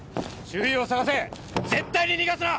周囲を捜せ絶対に逃がすな！